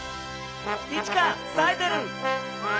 イチカさえてる！